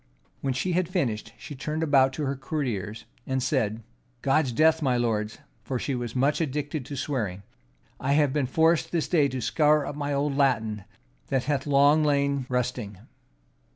When she had finished, she turned about to her courtiers, and said, "God's death, my lords," (for she was much addicted to swearing,) "I have been forced this day to scour up my old Latin, that hath long lain rusting."